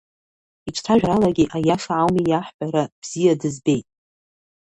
Иҿцәажәаралагьы, аиаша ауми иаҳҳәара, бзиа дызбеит.